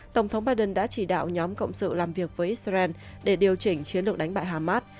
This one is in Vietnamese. tổng thống biden đã chỉ đạo nhóm cộng sự làm việc với israel để điều chỉnh chiến lược đánh bại hamas